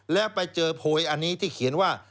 แล้วไปเจอโพยอันนี้ที่เขียนว่า